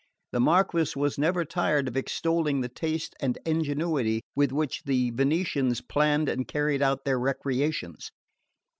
The Marquess was never tired of extolling the taste and ingenuity with which the Venetians planned and carried out their recreations.